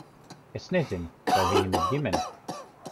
Es nezinu, vai viņam ir ģimene.